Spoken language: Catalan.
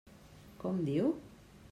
Com diu?